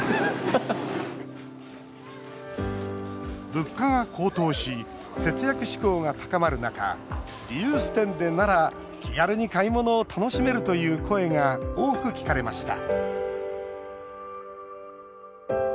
物価が高騰し節約志向が高まる中リユース店でなら、気軽に買い物を楽しめるという声が多く聞かれました